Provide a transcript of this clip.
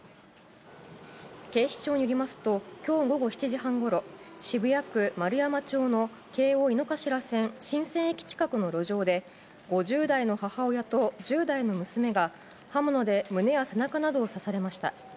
警視庁によりますと、きょう午後７時半ごろ、渋谷区円山町の京王井の頭線神泉駅近くの路上で、５０代の母親と１０代の娘が、刃物で胸や背中などを刺されました。